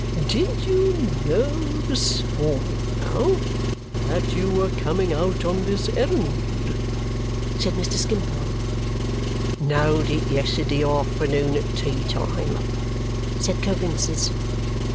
"Did you know this morning, now, that you were coming out on this errand?" said Mr. Skimpole. "Know'd it yes'day aft'noon at tea time," said Coavinses.